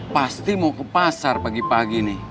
pasti mau ke pasar pagi pagi ini